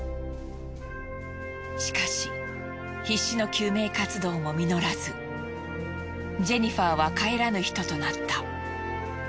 しかし必死の救命活動も実らずジェニファーは帰らぬ人となった。